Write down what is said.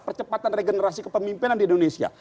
percepatan regenerasi kepemimpinan di indonesia